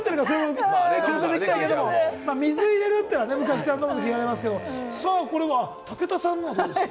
水入れるっていうのは昔からよく言われますけれども、武田さんのはどうですか？